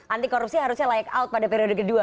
anti korupsi harusnya layak out pada periode kedua